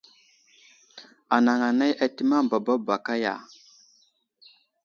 Anaŋ anay atəmeŋ baba baka ya ?